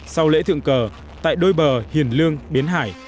sau lễ thượng cờ tại đôi bờ hiền lương biến hải